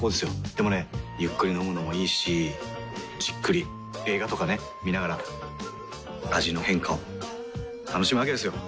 でもねゆっくり飲むのもいいしじっくり映画とかね観ながら味の変化を楽しむわけですよ。